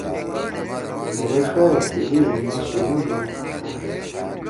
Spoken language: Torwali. مھیرے ݜا ئے تھیلی ہے مھی شیرین لُوپٹا